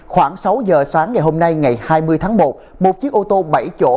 khoảng sáu giờ sáng ngày hôm nay ngày hai mươi tháng một một chiếc ô tô bảy chỗ